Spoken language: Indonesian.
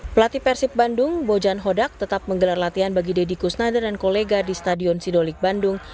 pelatih persib bandung bojan hodak tetap menggelar latihan bagi deddy kusnada dan kolega di stadion sidolik bandung